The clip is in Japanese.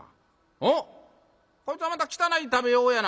おっこいつはまた汚い食べようやな。